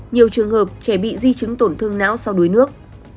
nhiều trường hợp trẻ bị di chứng tổn thương não sau đuối nước